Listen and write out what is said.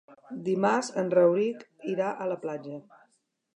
Dimarts en Rauric irà a la platja.